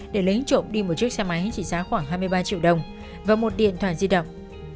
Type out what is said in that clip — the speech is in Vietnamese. để lấy trộm đi một chiếc xe máy trị giá khoảng hai mươi ba triệu đồng và một điện thoại di động